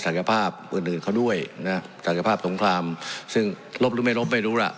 ภาพอื่นอื่นเขาด้วยนะศักยภาพสงครามซึ่งลบหรือไม่ลบไม่รู้ล่ะ